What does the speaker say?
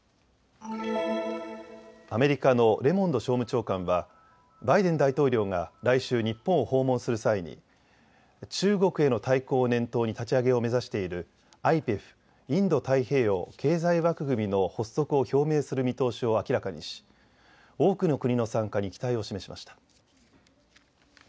アメリカのレモンド商務長官はバイデン大統領が来週日本を訪問する際に中国への対抗を念頭に立ち上げを目指しているＩＰＥＦ・インド太平洋経済枠組みの発足を表明する見通しを明らかにし多くの国の参加に期待を示しました。